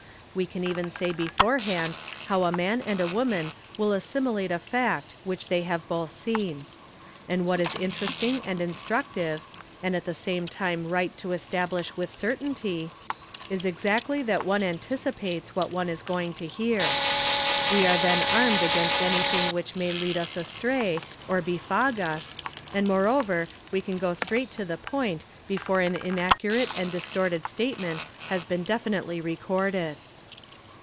We can even say beforehand how a man and a woman will assimilate a fact which they have both seen. And what is interesting and instructive, and at the same time right to establish with certainty, is exactly that on anticipates what one is going to hear. We are then armed against any thing which may lead us astray or befog us, and moreover we can go straight to the point, before an inaccurate and distorted statement has been definitely recorded.